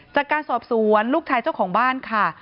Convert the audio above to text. จากการสอบสวนลูกชายเจ้าของบ้านค่ะ